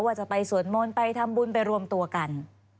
ว่าจะไปสวดมนต์ไปทำบุญไปรวมตัวกัน